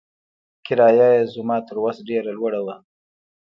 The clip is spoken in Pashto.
کرايه يې زما تر وس ډېره لوړه وه.